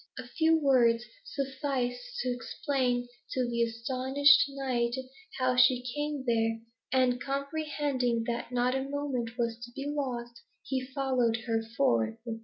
A few words sufficed to explain to the astonished knight how she came there, and comprehending that not a moment was to be lost, he followed her forth.